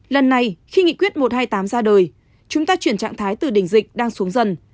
lần này khi nghị quyết một trăm hai mươi tám ra đời chúng ta chuyển trạng thái từ đỉnh dịch đang xuống dần